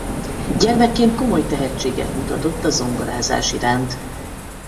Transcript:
Gyermekként komoly tehetséget mutatott a zongorázás iránt.